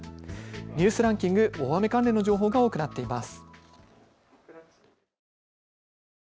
ニュースランキング、大雨関連の情報が多くなっています。